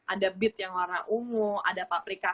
ada beet yang warna ungu ada paprika